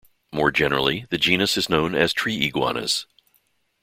More generally, the genus is known as "tree iguanas".